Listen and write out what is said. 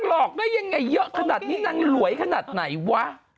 หลอกได้ยังไงเยอะขนาดนี้นางหลวยขนาดไหนวะ